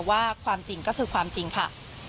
ว่าความจริงก็คือความจริงค่ะ